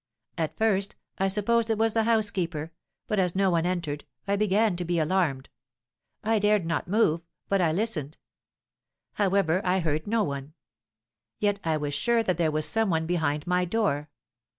At first I supposed it was the housekeeper; but, as no one entered, I began to be alarmed. I dared not move, but I listened; however, I heard no one; yet I was sure that there was some one behind my door.